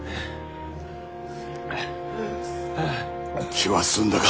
気は済んだか。